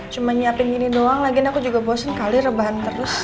cuman nyiapin gini doang lagi aku juga bosen kali rebahan terus